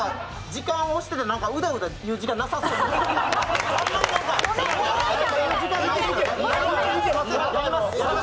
時間押しててうだうだ言う時間なさそうやな。